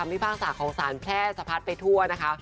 ทำให้ภาษาของศาลแพร่สะพัดไปทั่วนะคะ